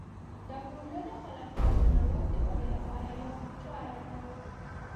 دا پروژه د خلاقیت او نوښت د ودې لپاره یوه چاره ده.